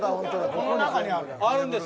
この中にあるんだ。